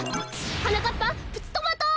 はなかっぱプチトマト！